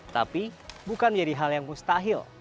tapi bukan menjadi hal yang mustahil